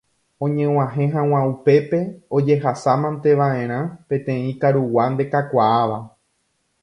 Oñeg̃uahẽ hag̃ua upépe ojehasamanteva'erã peteĩ karugua ndekakuaáva.